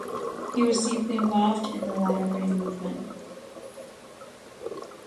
He was deeply involved in the Latter Rain movement.